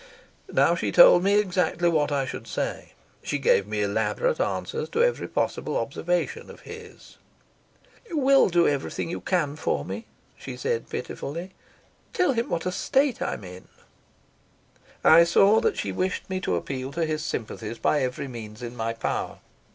Now she told me exactly what I should say. She gave me elaborate answers to every possible observation of his. "You will do everything you can for me?" she said pitifully. "Tell him what a state I'm in." I saw that she wished me to appeal to his sympathies by every means in my power.